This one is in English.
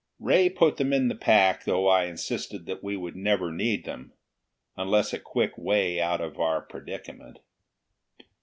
Ray put them in the pack, though I insisted that we would never need them, unless a quick way out of our predicament.